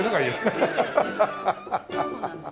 ハハハハッ。